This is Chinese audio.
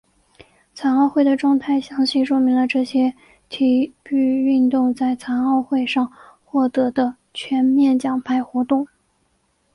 残奥会的状态详细说明了这些体育运动在残奥会上获得的全面奖牌活动。